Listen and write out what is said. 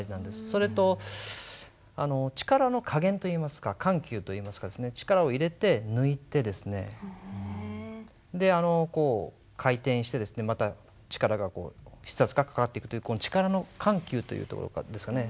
それと力の加減といいますか緩急といいますか力を入れて抜いてこう回転してまた筆圧がかかっていくという力の緩急というところですかね。